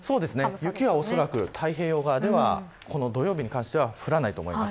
雪は太平洋側では土曜日に関しては降らないと思います。